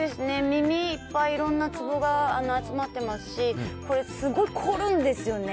耳、いっぱいいろんなツボが集まってますしすごいこるんですよね。